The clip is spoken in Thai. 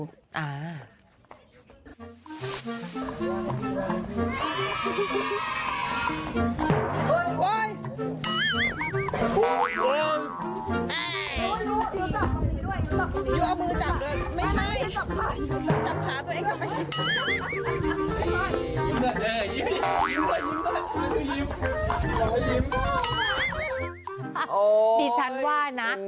ดิฉันว่านะ